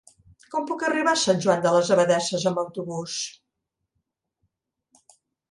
Com puc arribar a Sant Joan de les Abadesses amb autobús?